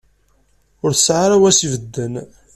Ur tesɛi w ara s-ibedden.